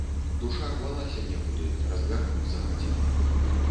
Душа рвалася некуды, разгарнуцца хацела.